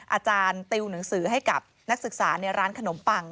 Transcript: อาจารย์ติวหนังสือให้กับนักศึกษาในร้านขนมปัง